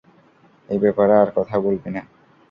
এ ব্যাপারে আর কথা বলবি না!